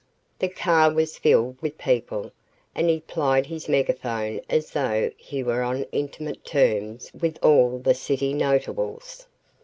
The car was filled with people and he plied his megaphone as though he were on intimate terms with all the city's notables.